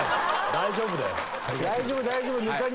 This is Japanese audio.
大丈夫だよ。